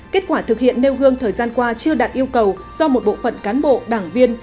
kết quả thực hiện nêu gương thời gian qua chưa đạt yêu cầu do một bộ phận cán bộ đảng viên